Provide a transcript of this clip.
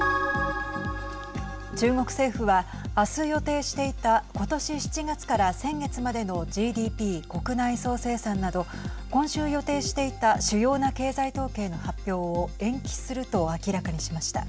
中国政府は明日、予定していた今年７月から先月までのＧＤＰ＝国内総生産など今週、予定していた主要な経済統計の発表を延期すると明らかにしました。